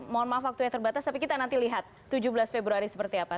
mohon maaf waktunya terbatas tapi kita nanti lihat tujuh belas februari seperti apa